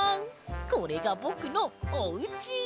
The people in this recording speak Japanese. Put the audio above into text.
これがぼくのおうち！